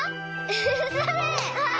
それ！